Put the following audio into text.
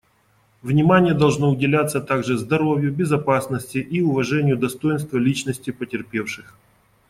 Внимание должно уделяться также здоровью, безопасности и уважению достоинства личности потерпевших.